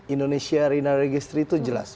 indonesia renar registry itu jelas